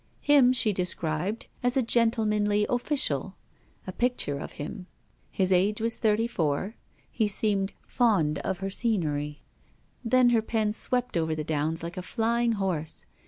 Him she described as a 'gentlemanly official,' a picture of him. His age was thirty four. He seemed 'fond of her scenery.' Then her pen swept over the Downs like a flying horse.